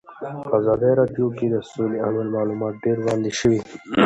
په ازادي راډیو کې د سوله اړوند معلومات ډېر وړاندې شوي.